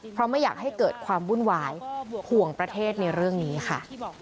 เพราะไม่อยากให้เกิดความวุ่นวายห่วงประเทศในเรื่องนี้ค่ะ